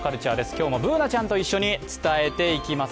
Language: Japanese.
今日もＢｏｏｎａちゃんと一緒に伝えていきます。